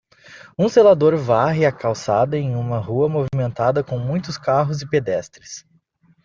Um zelador varre a calçada em uma rua movimentada com muitos carros e pedestres.